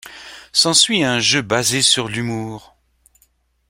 S'ensuit un jeu basé sur l'humour.